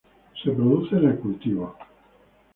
Se produce en el cultivo.